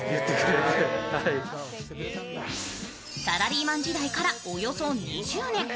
サラリーマン時代からおよそ２０年。